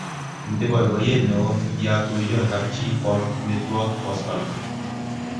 Mito boiboiet neoo ya tuyo kapchii koam amitwogikab koskoleny